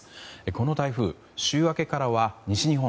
この台風、週明けからは西日本